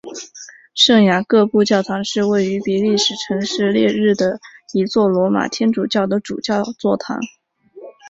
圣雅各布教堂是位于比利时城市列日的一座罗马天主教的主教座堂。